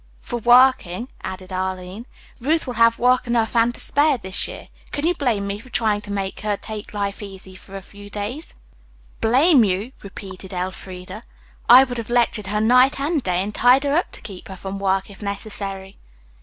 "For working," added Arline. "Ruth will have work enough and to spare this year. Can you blame me for trying to make her take life easy for a few days?" "Blame you?" repeated Elfreda. "I would have lectured her night and day, and tied her up to keep her from work, if necessary."